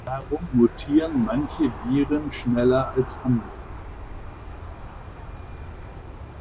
Warum mutieren manche Viren schneller als andere?